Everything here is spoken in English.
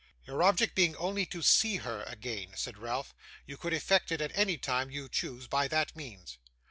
'Your object being only to see her again,' said Ralph, 'you could effect it at any time you chose by that means.